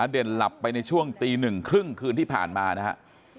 อเด่นหลับไปในช่วงตีหนึ่งครึ่งคืนที่ผ่านมานะฮะ